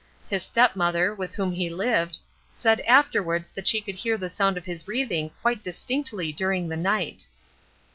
His stepmother, with whom he lived, said afterwards that she could hear the sound of his breathing quite distinctly during the night."